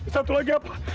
satu lagi apa